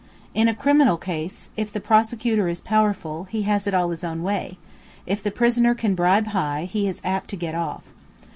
In criminal cases, if the prosecutor is powerful, he has it all his own way; if the prisoner can bribe high, he is apt to get off.